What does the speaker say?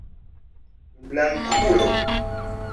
blankulo